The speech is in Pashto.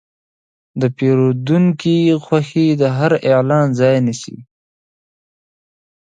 د پیرودونکي خوښي د هر اعلان ځای نیسي.